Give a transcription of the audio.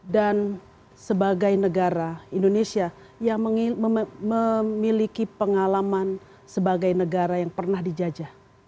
dan sebagai negara indonesia yang memiliki pengalaman sebagai negara yang pernah dijajah